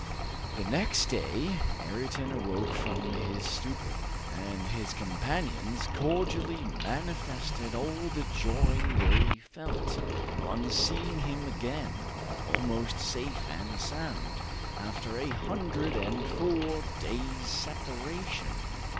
The next day Ayrton awoke from his torpor, and his companions cordially manifested all the joy they felt, on seeing him again, almost safe and sound, after a hundred and four days separation.